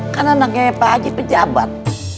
kan anaknya pak haji pejabat